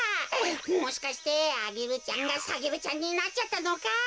もしかしてアゲルちゃんがサゲルちゃんになっちゃったのか？